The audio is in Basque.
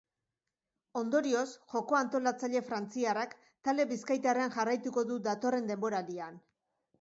Ondorioz, joko-antolatzaile frantziarrak talde bizkaitarrean jarraituko du datorren denboraldian.